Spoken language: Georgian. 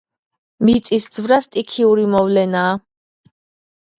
მიწისძვრა სტიქიური მოვლენაა